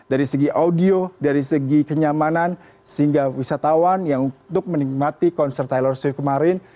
dari segi audio dari segi kenyamanan sehingga wisatawan yang untuk menikmati konser tilor shift kemarin